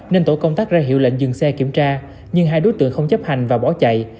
nên tổ công tác ra hiệu lệnh dừng xe kiểm tra nhưng hai đối tượng không chấp hành và bỏ chạy